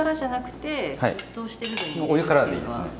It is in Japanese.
お湯からでいいですね。